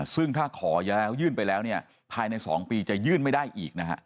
ซึ่งถ้าขอแล้วยื่นไปแล้วเนี่ยภายใน๒ปีจะยื่นไม่ได้อีกนะฮะ